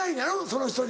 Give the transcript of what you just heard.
その人に。